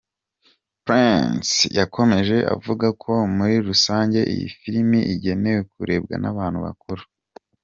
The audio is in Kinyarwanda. Prince yakomeje avuga ko muri rusange iyi filimi igenewe kurebwa n’abantu bakuru.